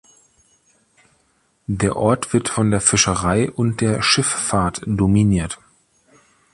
Der Ort wird von der Fischerei und der Schifffahrt dominiert.